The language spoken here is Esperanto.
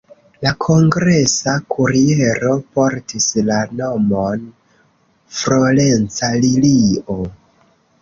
La kongresa kuriero portis la nomon "Florenca Lilio".